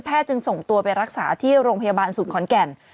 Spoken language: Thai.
จึงส่งตัวไปรักษาที่โรงพยาบาลศูนย์ขอนแก่น